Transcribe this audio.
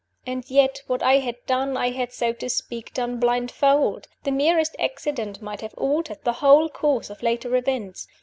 And yet, what I had done, I had, so to speak, done blindfold. The merest accident might have altered the whole course of later events.